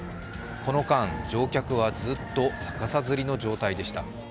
この間、乗客はずっと逆さづりの状態でした。